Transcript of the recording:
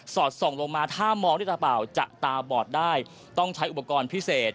อดส่องลงมาถ้ามองด้วยตาเปล่าจะตาบอดได้ต้องใช้อุปกรณ์พิเศษ